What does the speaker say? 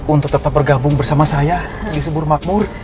untuk tetap bergabung bersama saya di subur makmur